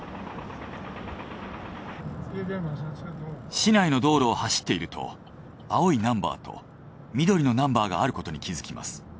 市内の道路を走っていると青いナンバーと緑のナンバーがあることに気づきます。